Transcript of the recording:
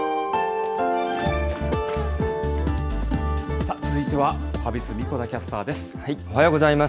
さあ、続いてはおはＢｉｚ、神子田キャスターです。